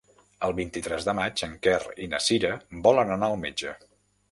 El vint-i-tres de maig en Quer i na Cira volen anar al metge.